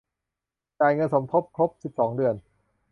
จ่ายเงินสมทบครบ สิบสอง เดือน